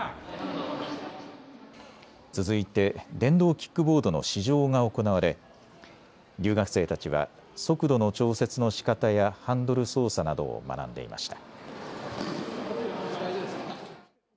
続いて電動キックボードの試乗が行われ留学生たちは速度の調節のしかたやハンドル操作などを学んでいました。